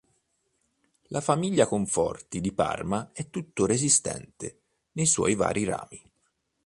La famiglia Conforti di Parma è tuttora esistente nei suoi vari rami.